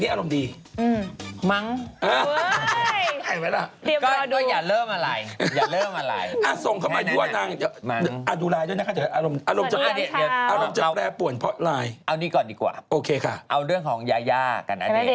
อารมณ์จะแปลป่วนเพราะไลน์โอเคค่ะเอานี่ก่อนดีกว่าเอาเรื่องของยาย่ากันน่ะเนี่ย